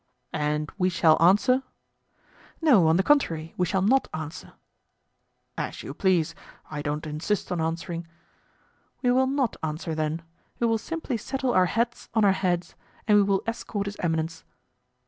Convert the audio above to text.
"And we shall answer?" "No, on the contrary, we shall not answer." "As you please; I don't insist on answering." "We will not answer, then; we will simply settle our hats on our heads and we will escort his eminence."